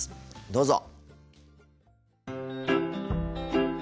どうぞ。